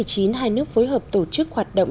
hai nước phối hợp tổ chức hoạt động